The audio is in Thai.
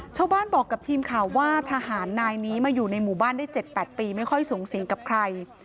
ชาวบ้านบอกกับทีมข่าวว่าทหารนายนี้มาอยู่ในหมู่บ้านได้๗๘ปีไม่ค่อยสูงสิงกับใคร